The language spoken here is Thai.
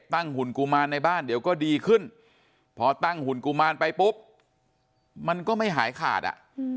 หุ่นกุมารในบ้านเดี๋ยวก็ดีขึ้นพอตั้งหุ่นกุมารไปปุ๊บมันก็ไม่หายขาดอ่ะ